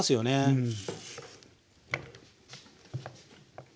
うん。